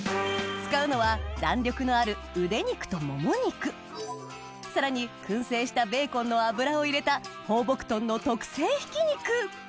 使うのは弾力のあるさらに燻製したベーコンの脂を入れた放牧豚の特製ひき肉